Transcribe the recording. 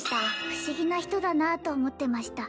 不思議な人だなと思ってました